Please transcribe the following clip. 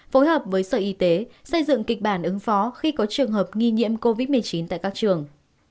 phối hợp với sở y tế xây dựng kịch bản ứng phó khi có trường hợp nghi nhiễm covid một mươi chín tại các trường